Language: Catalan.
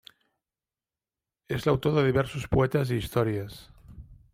És l'autor de diversos poetes i històries.